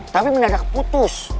tapi bener bener keputus